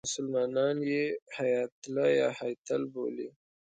مسلمانان یې هیاتله یا هیتل بولي.